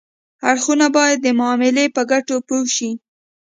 اړخونه باید د معاملې په ګټو پوه شي